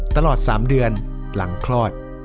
ตลอด๓เดือนหลังคลอด